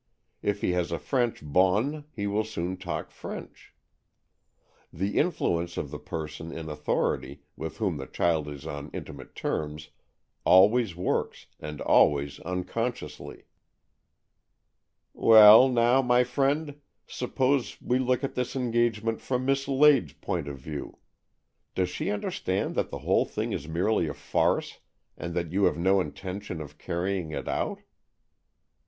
If he has a French bonne, he will soon talk French. The influence of the person in authority, with whom the child is AN EXCHANGE OF SOULS 75 on intimate terms, always works, and always unconsciously." "Well now, my friend, suppose we look at this engagement from Miss Lade's point of view. Does she understand that the whole thing is merely a farce, and that you have no intention of carrying it out?"